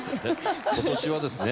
今年はですね